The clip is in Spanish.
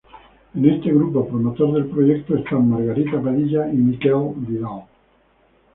En este grupo promotor del proyecto están Margarita Padilla y Miquel Vidal.